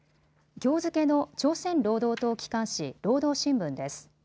きょう付けの朝鮮労働党機関紙、労働新聞です。